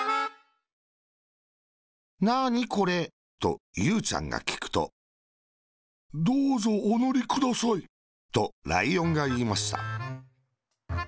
「なーに、これ？」とゆうちゃんがきくと、「どーぞ、おのりください。」とライオンがいいました。